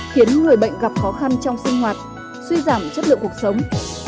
khiến người bệnh gặp khó khăn trong sinh hoạt suy giảm chất lượng cuộc sống